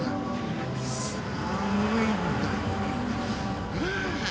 寒いんだよあぁ。